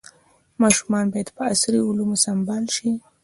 ماشومان باید په عصري علومو سمبال شي.